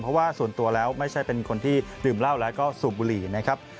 เพราะว่าส่วนตัวแล้วไม่ใช่เป็นคนที่ดื่มเหล้าแล้วก็สูบบุหรี่นะครับ